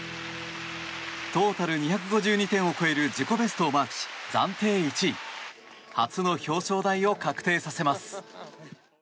トータル２５２点を超える自己ベストをマークし初の表彰台を確定させます。